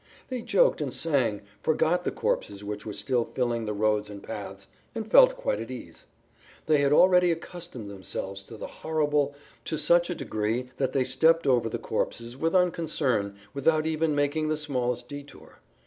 They joked and sang, forgot the corpses which were still filling the roads and paths, and felt quite at ease. They had already accustomed themselves to the horrible to such[Pg 22] a degree that they stepped over the corpses with unconcern, without even making the smallest detour.